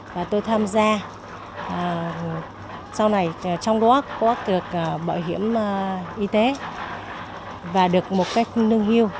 và tôi tham gia sau này trong đó có được bảo hiểm y tế và được một cách nương hiu